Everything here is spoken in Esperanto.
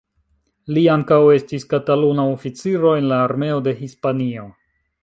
Li ankaŭ estis Kataluna oficiro en la Armeo de Hispanio.